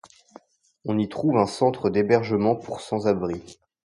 On y trouve un centre d'hébergement pour sans-abris.